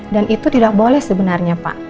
dan itu tidak boleh sebenarnya pak